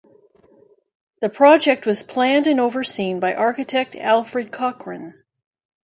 The project was planned and overseen by architect Alfred Cochrane.